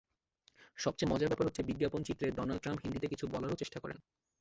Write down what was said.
সবচেয়ে মজার ব্যাপার হচ্ছে, বিজ্ঞাপনচিত্রে ডোনাল্ড ট্রাম্প হিন্দিতে কিছু বলারও চেষ্টা করেন।